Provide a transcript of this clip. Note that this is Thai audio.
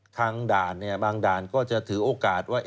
ด่านบางด่านก็จะถือโอกาสว่า